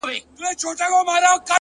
د زړه سکون له سمې لارې زېږي!